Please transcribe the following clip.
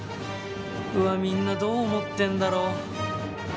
うわみんなどう思ってんだろう？